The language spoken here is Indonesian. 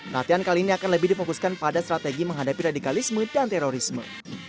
latihan kali ini akan lebih difokuskan pada strategi menghadapi radikalisme dan terorisme